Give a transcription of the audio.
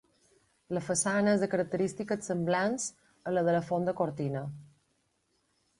La façana és de característiques semblants a la de la fonda Cortina.